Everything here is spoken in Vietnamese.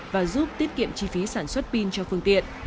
và giúp tiết kiệm chi phí sản xuất pin cho phương tiện